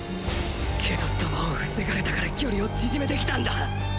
けど弾を防がれたから距離を縮めてきたんだ。